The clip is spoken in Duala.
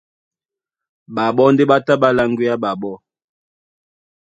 Ɓaɓɔ́ ndé ɓá tá ɓá láŋgwea ɓaɓó.